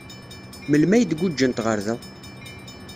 Melmi ay d-guǧǧent ɣer da?